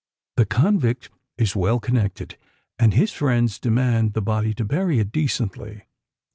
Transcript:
The convict is well connected, and his friends demand the body to bury it decently.